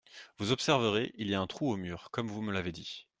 Vous observerez, il y a un trou au mur, comme vous me l'avez dit.